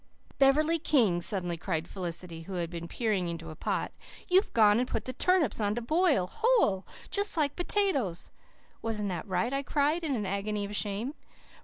"Beverley King," suddenly cried Felicity, who had been peering into a pot, "YOU'VE GONE AND PUT THE TURNIPS ON TO BOIL WHOLE JUST LIKE POTATOES!" "Wasn't that right?" I cried, in an agony of shame.